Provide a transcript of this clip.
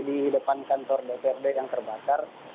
di depan kantor dprd yang terbakar